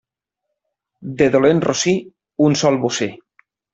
De dolent rossí, un sol bocí.